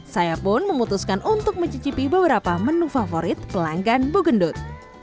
saya pun memutuskan untuk mencicipi beberapa menu favorit pelanggan bugendut